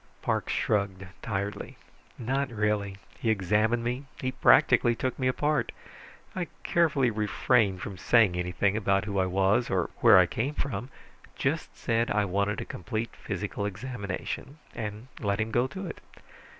Parks shrugged tiredly. "Not really. He examined me. He practically took me apart. I carefully refrained from saying anything about who I was or where I came from; just said I wanted a complete physical examination, and let him go to it.